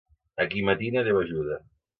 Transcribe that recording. A qui matina Déu ajuda.